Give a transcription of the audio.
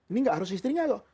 ini nggak harus istrinya loh